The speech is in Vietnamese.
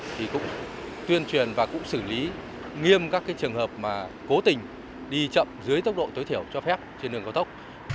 thì cũng tuyên truyền và cũng xử lý nghiêm các trường hợp mà cố tình đi chậm dưới tốc độ tối thiểu cho phép trên đường cao tốc